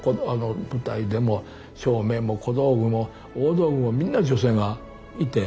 舞台でも照明も小道具も大道具もみんな女性がいて。